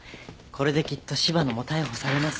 これできっと柴野も逮捕されますよ。